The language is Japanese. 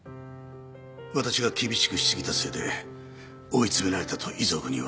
私が厳しくし過ぎたせいで追い詰められたと遺族に言われた。